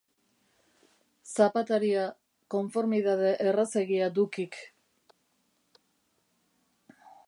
Zapataria, konformidade errazegia duk hik.